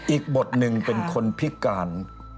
อีกบทหนึ่งเป็นคนพิการ